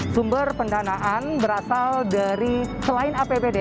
sumber pendanaan berasal dari selain apbd